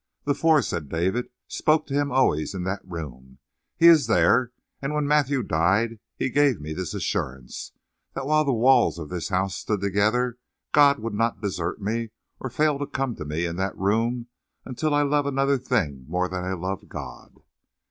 "The four," said David, "spoke to Him always in that room. He is there. And when Matthew died he gave me this assurance that while the walls of this house stood together God would not desert me or fail to come to me in that room until I love another thing more than I love God."